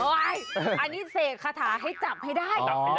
อันนี้เสกคาถาให้จับให้ได้